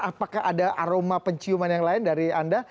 apakah ada aroma penciuman yang lain dari anda